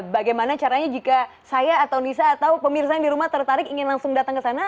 bagaimana caranya jika saya atau nisa atau pemirsa yang di rumah tertarik ingin langsung datang ke sana